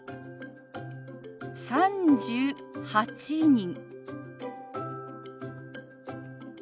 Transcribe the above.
「３８人」。